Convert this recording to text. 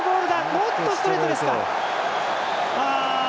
ノットストレートですか。